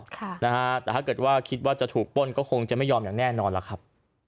แต่ถ้าเกิดว่าคิดว่าจะถูกป้นก็คงจะไม่ยอมอย่างแน่นอนล่ะครับ